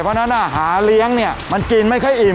เพราะฉะนั้นอาหารเลี้ยงมันกินไม่ค่อยอิ่ม